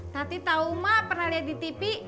nanti tau mak pernah lihat di tv